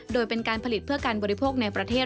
โดยเป็นการผลิตเพื่อการบริโภคในประเทศ